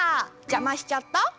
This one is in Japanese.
じゃましちゃった？